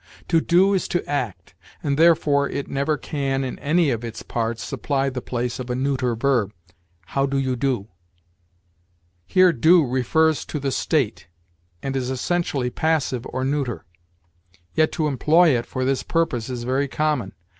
To do is to act, and therefore it never can, in any of its parts, supply the place of a neuter verb. 'How do you do?' Here do refers to the state, and is essentially passive or neuter. Yet, to employ it for this purpose is very common.